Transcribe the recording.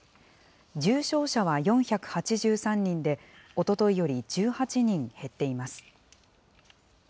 重症者は４８３人で、おとといより１８人減っています。